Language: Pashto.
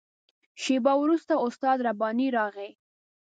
شېبه وروسته استاد رباني راغی.